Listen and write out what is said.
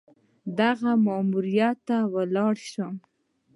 دغه ماموریت ته ولاړه شم.